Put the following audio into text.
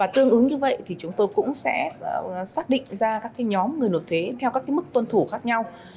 tương ứng như vậy thì chúng tôi cũng sẽ xác định ra các nhóm người nộp thuế theo các mức tuân thủ khác nhau